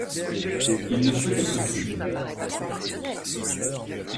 Il ne peut être divisé.